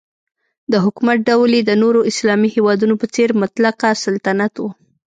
د حکومت ډول یې د نورو اسلامي هیوادونو په څېر مطلقه سلطنت و.